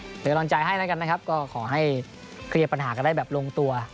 เป็นกำลังใจให้แล้วกันนะครับก็ขอให้เคลียร์ปัญหากันได้แบบลงตัว